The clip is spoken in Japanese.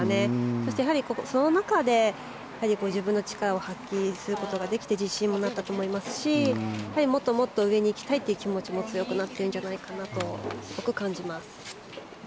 そして、やはりその中で自分の力を発揮することができて自信にもなったと思いますしもっともっと上に行きたいという気持ちも強くなってるんじゃないかなとすごく感じます。